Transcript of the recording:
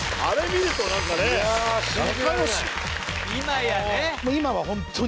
今やね。